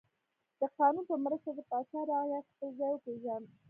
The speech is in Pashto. د قانون په مرسته د پاچا رعیت خپل ځای وپیژند.